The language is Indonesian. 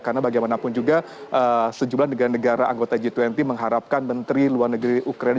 karena bagaimanapun juga sejumlah negara negara anggota g dua puluh mengharapkan menteri luar negeri ukraina